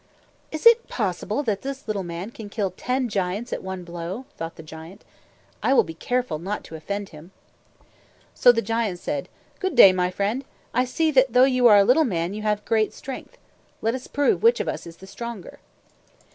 "Is it possible that this little man can kill TEN GIANTS at one blow?" thought the giant. "I will be careful not to offend him." So the giant said, "Good day, my friend. I see that though you are a little man, you have great strength. Let us prove which of us is the stronger."